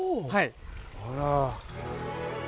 あら。